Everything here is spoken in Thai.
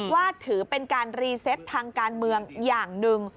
ว่าถือเป็นการรีเซตทางการเมืองอย่างหนึ่ง